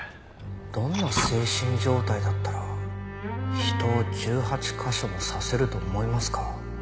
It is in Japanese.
どんな精神状態だったら人を１８カ所も刺せると思いますか？